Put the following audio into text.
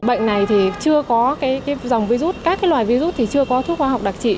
bệnh này thì chưa có dòng virus các loài virus thì chưa có thuốc khoa học đặc trị